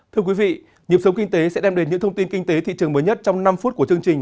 thưa quý vị nhiệm sống kinh tế sẽ đem đến những thông tin kinh tế thị trường mới nhất trong năm phút của chương trình